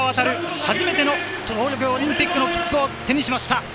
初めての東京オリンピックの切符を手にしました。